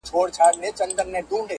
چي دي شراب، له خپل نعمته ناروا بلله,